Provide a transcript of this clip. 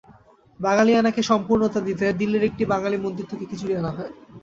বাঙালিয়ানাকে সম্পুর্ণতা দিতে দিল্লির একটি বাঙালি মন্দির থেকে খিচুড়ি আনা হয়।